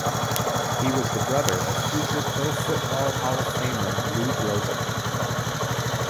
He was the brother of future Pro Football Hall-of-Famer Lou Groza.